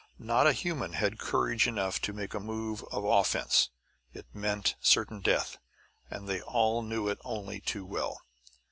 Not a human had courage enough to make a move of offense; it meant certain death, and they all knew it only too well.